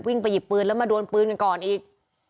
ไปหยิบปืนแล้วมาดวนปืนกันก่อนอีก